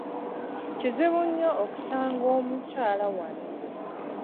Kizibu nnyo okusanga omuyala wano.